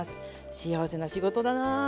幸せな仕事だな。